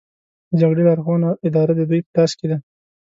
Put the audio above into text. د جګړې لارښوونه او اداره د دوی په لاس کې ده